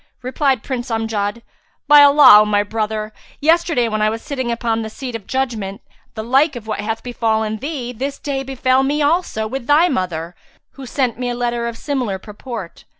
Replied Prince Amjad, "By Allah, O my brother, yesterday when I was sitting upon the seat of judgement, the like of what hath befallen thee this day befel me also with thy mother who sent me a letter of similar purport."